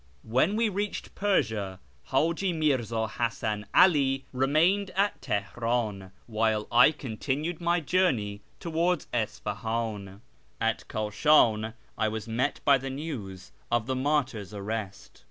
When we reached Persia, ILiji Mirzil Hasan 'Ali remained at Teheran, while I continued my journey towards Isfah; in. At Kashi'iii I was met by the news of the martyrs' arrest.